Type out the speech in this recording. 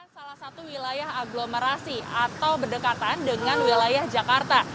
salah satu wilayah agglomerasi atau berdekatan dengan wilayah jakarta